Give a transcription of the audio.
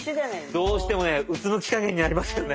どうしてもねうつむきかげんになりますよね。